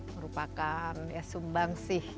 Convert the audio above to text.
merupakan sumbang sih